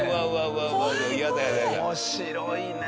面白いね！